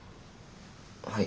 はい。